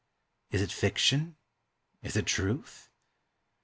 Is it fiction, is it truth?